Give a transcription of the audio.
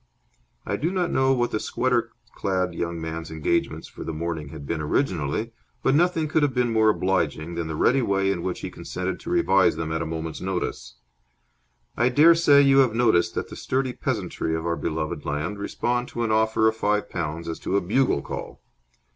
I do not know what the sweater clad young man's engagements for the morning had been originally, but nothing could have been more obliging than the ready way in which he consented to revise them at a moment's notice. I dare say you have noticed that the sturdy peasantry of our beloved land respond to an offer of five pounds as to a bugle call.